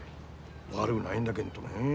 悪ぐないんだげんどねえ。